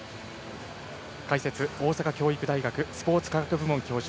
解説、大阪教育大学スポーツ科学部門教授